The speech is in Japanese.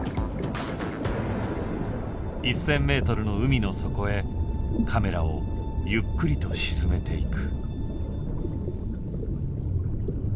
１，０００ｍの海の底へカメラをゆっくりと沈めていく。